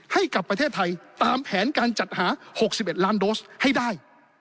ให้กับประเทศไทยตามแผนการจัดหา๖๑ล้านโดสให้ได้